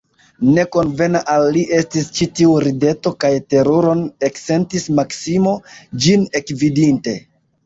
Ne konvena al li estis ĉi tiu rideto, kaj teruron eksentis Maksimo, ĝin ekvidinte.